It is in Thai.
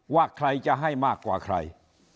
ว่าใครจะให้มากกว่าใคร